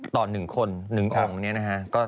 ต่อหนึ่งคนหนึ่งองค์เนี่ยนะฮะ